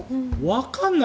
わからない。